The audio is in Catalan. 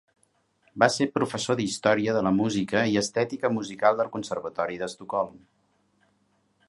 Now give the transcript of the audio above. Va ser professor d'història de la música i estètica musical del conservatori d'Estocolm.